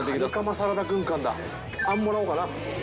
３もらおうかな。